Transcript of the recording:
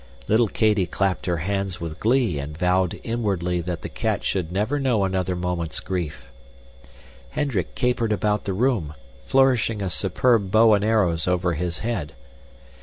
Little Katy clapped her hands with glee and vowed inwardly that the cat should never know another moment's grief. Hendrick capered about the room, flourishing a superb bow and arrows over his head.